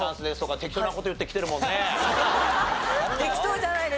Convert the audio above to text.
適当じゃないです。